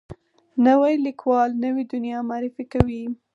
نوی لیکوال نوې دنیا معرفي کوي